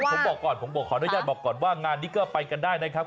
ผมบอกก่อนผมบอกขออนุญาตบอกก่อนว่างานนี้ก็ไปกันได้นะครับ